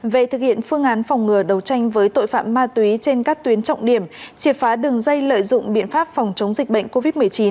về thực hiện phương án phòng ngừa đấu tranh với tội phạm ma túy trên các tuyến trọng điểm triệt phá đường dây lợi dụng biện pháp phòng chống dịch bệnh covid một mươi chín